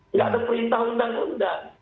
tidak ada perintah undang undang